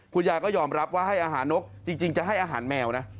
คุณยายก็ยอมรับว่าให้อาหารนกจริงจะให้อาหารแมวนะ